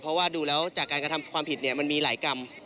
เพราะว่าดูแล้วจากการกระทำความผิดมันมีหลายกรรม